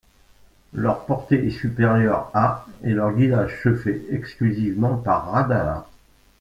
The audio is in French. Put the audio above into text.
Leur portée est supérieure à et leur guidage se fait exclusivement par radar.